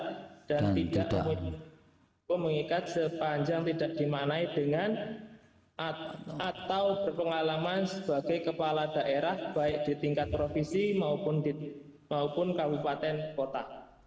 dan tidak mempunyai kekuatan hukum mengikat sepanjang tidak dimanai dengan atau berpengalaman sebagai kepala daerah baik di tingkat provinsi maupun kabupaten kota